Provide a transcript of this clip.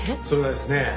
それがですね